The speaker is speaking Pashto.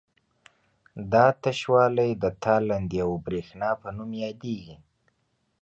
دا تشوالی د تالندې او برېښنا په نوم یادیږي.